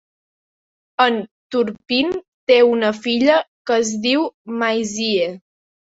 En Turpin té una filla que es diu Maisie.